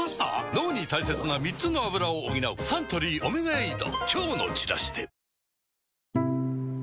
脳に大切な３つのアブラを補うサントリー「オメガエイド」